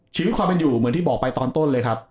ชีวิตความเป็นอยู่เหมือนที่บอกไปตอนต้นเลยครับ